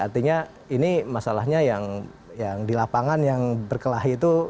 artinya ini masalahnya yang di lapangan yang berkelahi itu